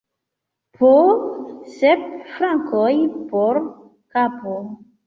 Po sep frankoj por kapo!